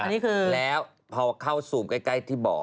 อันนี่คือแล้วเขาก็สูบใกล้ที่บ่